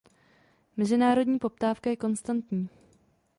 Mezinárodní poptávka je konstantní.